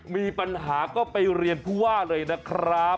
มีปัญหาก็ไปเรียนผู้ว่าเลยนะครับ